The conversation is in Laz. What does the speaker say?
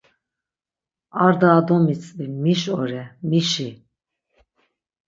Ar daha domitzvi miş ore mişi!